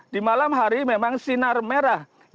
di malam hari memang sinar merah yang dipantulkan